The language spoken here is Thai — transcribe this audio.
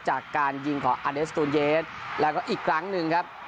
จากการยิงของอาเดสตูนเยสแล้วก็อีกครั้งหนึ่งครับ